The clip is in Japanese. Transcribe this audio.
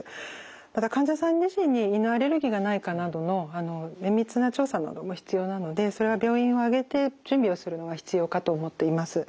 また患者さん自身に犬アレルギーがないかなどの綿密な調査なども必要なのでそれは病院を挙げて準備をするのが必要かと思っています。